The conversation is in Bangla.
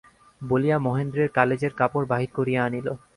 বলিয়া মহেন্দ্রের কালেজের কাপড় বাহির করিয়া আনিল।